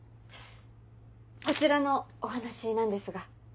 こちらのお話なんですが。